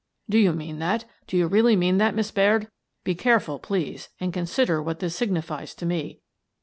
" Do you mean that? Do you really mean that, Miss Baird? Be careful, please, and consider what this signifies to me."